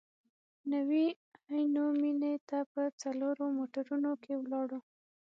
نوي عینو مېنې ته په څلورو موټرونو کې ولاړو.